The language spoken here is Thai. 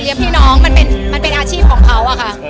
เลี้ยงพี่น้องมันเป็นอาชีพของเขา